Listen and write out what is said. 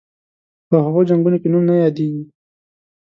په هغو جنګونو کې نوم نه یادیږي.